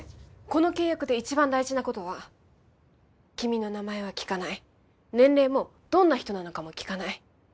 この契約で一番大事なことは君の名前は聞かない年齢もどんな人なのかも聞かない